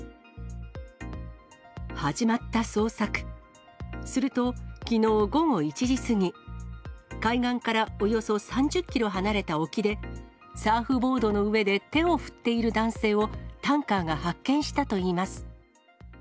始まった捜索、すると、きのう午後１時過ぎ、海岸からおよそ３０キロ離れた沖で、サーフボードの上で手を振っている男性をタンカーが発見したといいます。